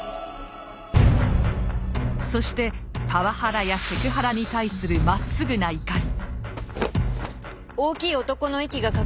そしてパワハラやセクハラに対するまっすぐな怒り。